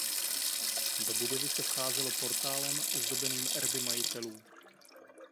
Do budovy se vcházelo portálem zdobeným erby majitelů.